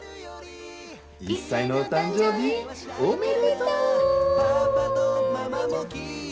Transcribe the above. １歳のお誕生日おめでとう！